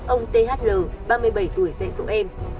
ông thl ba mươi bảy tuổi dạy dỗ em